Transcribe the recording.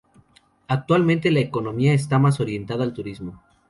Actualmente, la economía está más orientada al turismo.